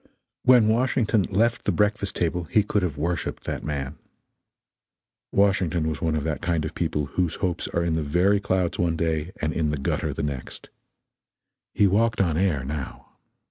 When Washington left the breakfast table he could have worshiped that man. Washington was one of that kind of people whose hopes are in the very clouds one day and in the gutter the next. He walked on air now.